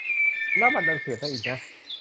แล้วมันดันเสียบได้อีกนะ